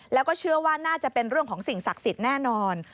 แล้วก็เชื่อว่าน่าจะเป็นเรื่องของสิ่งศักดิ์สิทธิ์แน่นอน